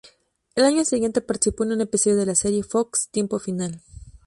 El año siguiente participó en un episodio de la serie de Fox "Tiempo final".